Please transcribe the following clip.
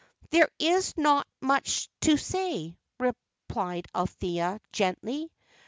"There is not much to say," replied Althea, gently.